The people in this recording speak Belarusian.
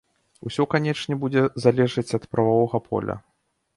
Усё, канечне, будзе залежаць ад прававога поля.